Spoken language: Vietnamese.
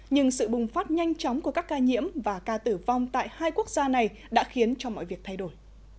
nhưng sự bùng phát nhanh chóng của các ca nhiễm và ca tử vong tại hai quốc gia này đã khiến cho mọi việc thay đổi